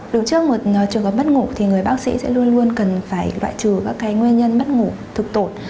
đứng trước một trường hợp mất ngủ thì người bác sĩ sẽ luôn luôn cần phải loại trừ các cái nguyên nhân mất ngủ thực tổn